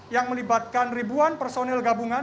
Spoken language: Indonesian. yang melibatkan ribuan personil gabungan